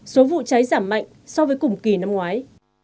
số vụ cháy giảm mạnh so với cùng kỳ năm ngoái